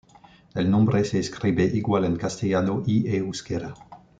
El nombre se escribe igual en castellano y euskera.